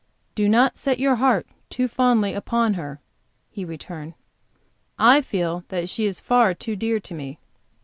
"Do not set your heart too fondly upon her," he returned. "I feel that she is far too dear to me."